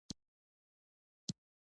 د کابل سیند د افغان کلتور سره تړاو لري.